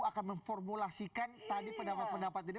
akan memformulasikan tadi pendapat pendapat ini